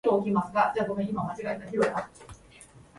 国縫駅